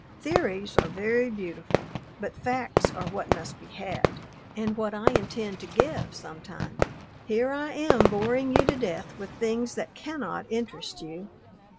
Theories are very beautiful, but facts are what must be had, and what I intend to give some time. Here I am boring you to death with things that cannot interest you!